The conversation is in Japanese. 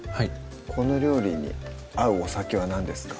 この料理に合うお酒は何ですか？